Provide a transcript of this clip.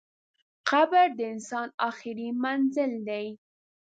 قبر د انسان اخري منزل دئ.